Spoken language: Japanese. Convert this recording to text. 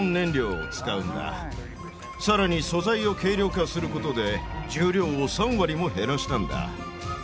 さらに素材を軽量化することで重量を３割も減らしたんだ。